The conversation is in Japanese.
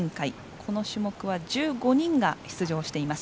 この種目は１５人が出場しています。